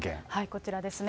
こちらですね。